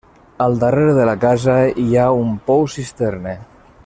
Al darrere de la casa hi ha un pou-cisterna.